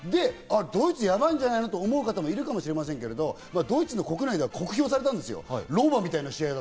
ドイツやばいんじゃないの？と思う方もいるかもしれませんけど、ドイツ国内では酷評されたんですよ。